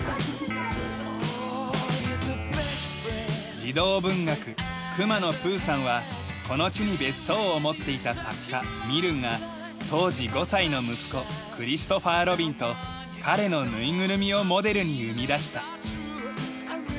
児童文学『クマのプーさん』はこの地に別荘を持っていた作家ミルンが当時５歳の息子クリストファー・ロビンと彼のぬいぐるみをモデルに生み出した。